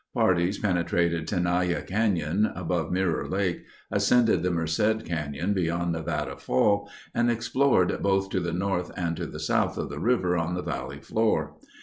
Parties penetrated Tenaya Canyon above Mirror Lake, ascended the Merced Canyon beyond Nevada Fall, and explored both to the north and to the south of the river on the valley floor.